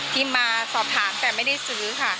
มาสอบถามแต่ไม่ได้ซื้อค่ะ